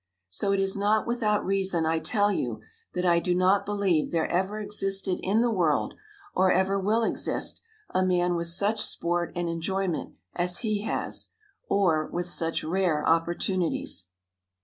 So it is not without reason I tell you that I do not believe there ever existed in the world, or ever will exist, a man with such sport and enjoyment as he has, or with such rare opportunities."